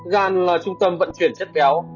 gan là trung tâm vận chuyển chất béo